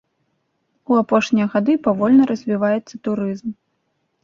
У апошнія гады павольна развіваецца турызм.